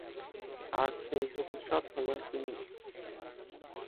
আর সেই ভবিষ্যৎ হলে তুমি।